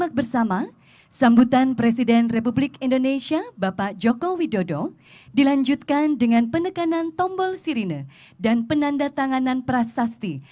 assalamu alaikum warahmatullahi wabarakatuh